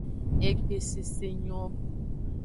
Egbe sese nyo.